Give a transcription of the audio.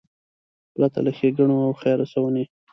پرته له ښېګړو او خیر رسونې.